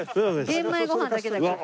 玄米ご飯だけだから。